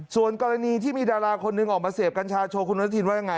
ส่วนกรณีที่มีดาราคนหนึ่งออกมาเสพกัญชาโชว์คุณอนุทินว่ายังไง